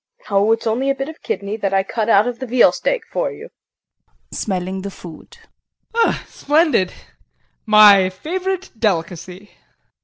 ] Oh, it's only a bit of kidney that I cut out of the veal steak for you. JEAN [Smelling the food]. Splendid! My favorite delicacy.